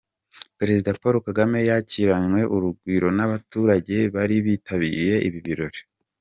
Perezida Paul Kagame yakiranywe urugwiro n’abaturage bari bitabiriye ibi birori.